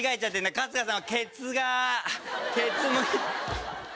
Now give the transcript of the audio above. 春日さん！